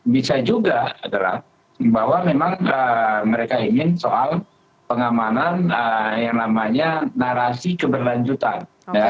bisa juga adalah bahwa memang mereka ingin soal pengamanan yang namanya narasi keberlanjutan